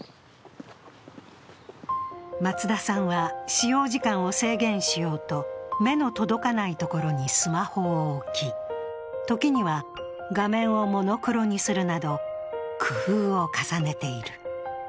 松田さんは、使用時間を制限しようと目の届かないところにスマホを置き時には画面をモノクロにするなど工夫を重ねている。